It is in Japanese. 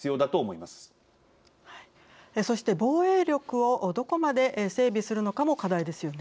そして防衛力をどこまで整備するのかも課題ですよね。